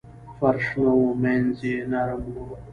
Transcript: فرش نه و مینځ یې نرم و.